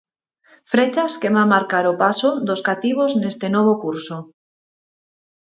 Frechas que van marcar o paso dos cativos neste novo curso.